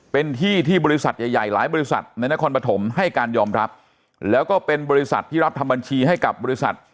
เป็นที่ที่บริษัทใหญ่ใหญ่หลายบริษัทในนครปฐมให้การยอมรับแล้วก็เป็นบริษัทที่รับทำบัญชีให้กับบริษัท